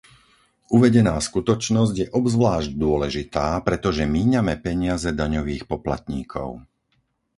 Uvedená skutočnosť je obzvlášť dôležitá, pretože míňame peniaze daňových poplatníkov.